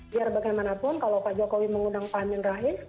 biar bagaimanapun kalau pak jokowi mengundang pak amin rais